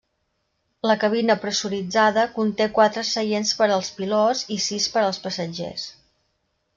La cabina pressuritzada conté quatre seients per als pilots i sis per als passatgers.